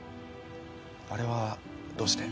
あれはどうして？